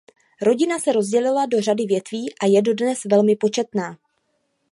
Rodina se rozdělila do řady větví a je dodnes velmi početná.